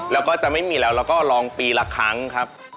แล้วก็จะไม่มีแล้วแล้วก็ลองปีละครั้งครับ